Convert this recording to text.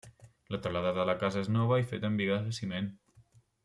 La teulada de la casa és nova i feta amb bigues de ciment.